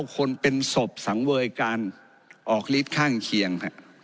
คนเป็นศพสังเวยการออกฤทธิ์ข้างเคียง